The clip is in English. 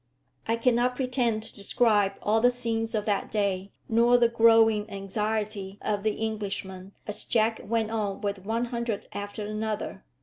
I cannot pretend to describe all the scenes of that day, nor the growing anxiety of the Englishmen as Jack went on with one hundred after another.